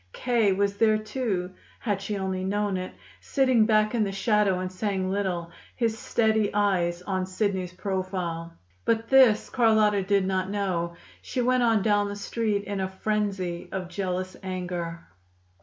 K. was there, too, had she only known it, sitting back in the shadow and saying little, his steady eyes on Sidney's profile. But this Carlotta did not know. She went on down the Street in a frenzy of jealous anger.